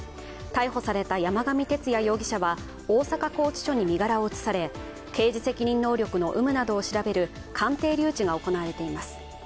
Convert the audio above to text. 逮捕された山上徹也容疑者は大阪拘置所に身柄を移され、刑事責任能力の有無などを調べる鑑定留置が行われています。